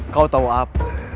kau tahu apa